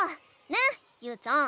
ねゆうちゃん。